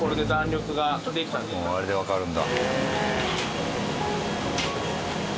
もうあれでわかるんだ。